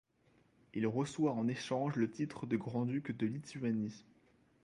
Il reçoit en échange le titre de grand-duc de Lituanie.